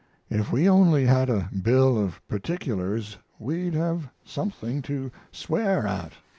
If we only had a bill of particulars we'd have something to swear at."